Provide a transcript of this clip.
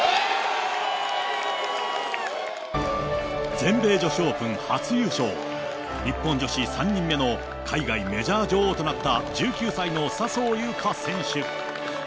全米女子オープン初優勝、日本女子３人目の海外メジャー女王となった１９歳の笹生優花選手。